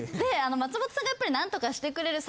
松本さんがやっぱり何とかしてくれる。